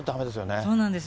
そうなんですよ。